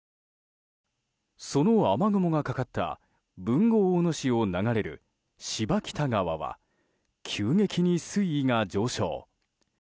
その雨雲がかかった豊後大野市を流れる柴北川は急激に水位が上昇。